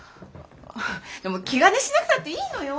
でも気兼ねしなくたっていいのよ。